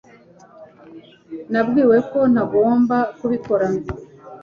nabwiwe ko ntagomba kubikora